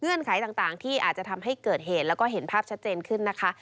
ไขต่างที่อาจจะทำให้เกิดเหตุแล้วก็เห็นภาพชัดเจนขึ้นนะคะ